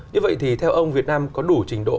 như vậy thì theo ông việt nam có đủ trình độ